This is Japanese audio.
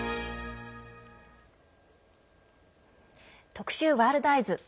特集「ワールドＥＹＥＳ」。